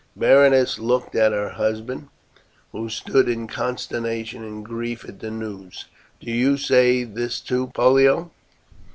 Berenice looked at her husband, who stood in consternation and grief at the news. "Do you say this too, Pollio?"